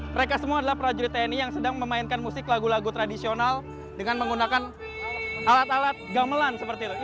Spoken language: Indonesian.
mereka semua adalah prajurit tni yang sedang memainkan musik lagu lagu tradisional dengan menggunakan alat alat gamelan seperti itu